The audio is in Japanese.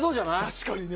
確かにね。